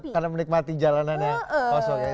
karena menikmati jalanan yang kosong